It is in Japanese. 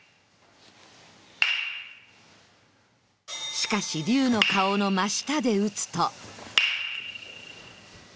しかし龍の顔の真下で打つと